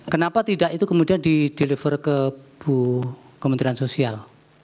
kenapa tidak itu kemudian di deliver ke bu kementerian sosial